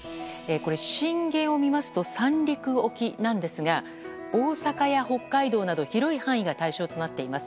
これ震源を見ますと三陸沖なんですが大阪や北海道など広い範囲が対象となっています。